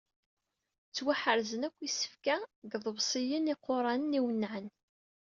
Ttwaḥerzen yakk yisefka deg yiḍebsiyen iquranen iwennɛen.